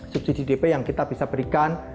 subsidi dp yang kita bisa berikan